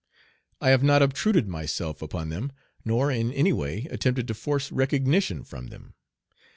I have not obtruded myself upon them, nor in any way attempted to force recognition from them.